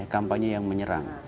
kampanye yang menyerang